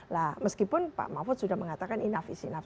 nah meskipun pak mahfud sudah mengatakan enough is enoug